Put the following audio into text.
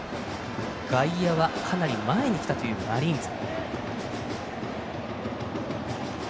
外野はかなり前に来たマリーンズ。